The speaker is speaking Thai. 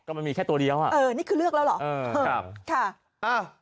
มันมีแค่ตัวเดียวอ่ะเออนี่คือเลือกแล้วเหรอเออครับค่ะอ้าว